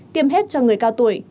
tiêm hết cho người cao tuổi